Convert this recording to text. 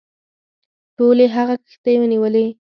ټولي هغه کښتۍ ونیولې.